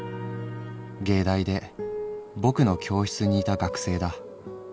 藝大でぼくの教室にいた学生だ。